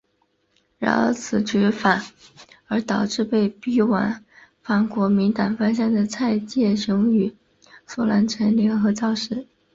然而此举反而导致被逼往反国民党方向的蔡介雄与苏南成联合造势。